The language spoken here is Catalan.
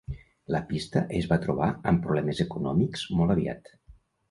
La pista es va trobar amb problemes econòmics molt aviat.